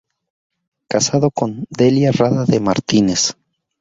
Casado con Delia Rada de Martínez.